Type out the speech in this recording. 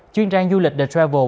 chuyên trang du lịch the travel